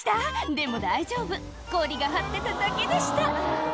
でも大丈夫氷が張ってただけでした」